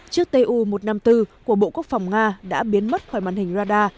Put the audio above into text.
chiếc tu một trăm năm mươi bốn của bộ quốc phòng nga đã biến mất khỏi màn hình radar